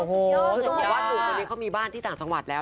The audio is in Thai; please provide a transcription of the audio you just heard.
ต้องบอกว่าหนุ่มนุ๊กตรงนี้เขามีบ้านที่ต่างสังหวัดแล้ว